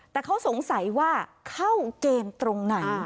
แต่เขาสงสัยว่าเข้าเกณฑ์ตรงไหน